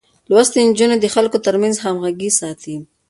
لوستې نجونې د خلکو ترمنځ همغږي ساتي.